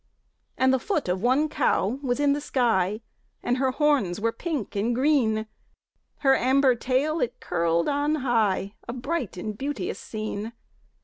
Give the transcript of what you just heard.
And the foot of one cow was in the sky, And her horns were pink and green; Her amber tail it curled on high A bright and beauteous scene.